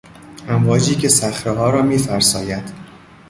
امواجی که صخرهها را میفرساید